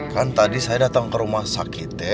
kan tadi saya datang ke rumah sakitnya